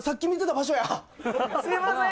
すいません